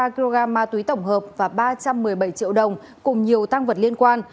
một mươi hai bốn mươi ba kg ma túy tổng hợp và ba trăm một mươi bảy triệu đồng cùng nhiều tăng vật liên quan